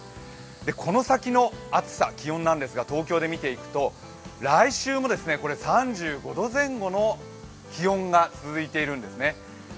この先の暑さ、気温なんですが東京で見ていくと来週も３５度前後の気温が続いているんですね。